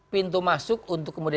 pintu masuk untuk kemudian